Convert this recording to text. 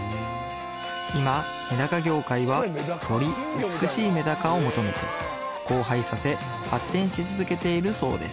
今めだか業界はより美しいめだかを求めて交配させ発展し続けているそうです